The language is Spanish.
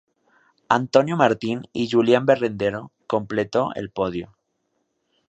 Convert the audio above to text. Antonio Martín y Julián Berrendero completó el podio.